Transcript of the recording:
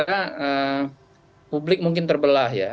karena publik mungkin terbelah ya